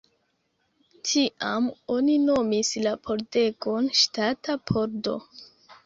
Tiam oni nomis la pordegon Ŝtata Pordo.